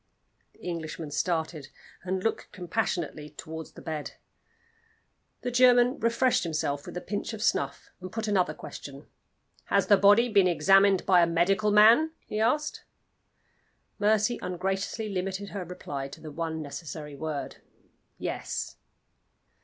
The Englishman started, and looked compassionately toward the bed. The German refreshed himself with a pinch of snuff, and put another question. "Has the body been examined by a medical man?" he asked. Mercy ungraciously limited her reply to the one necessary word "Yes."